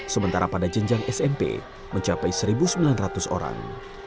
sementara pada jenjang smp mencapai satu sembilan ratus orang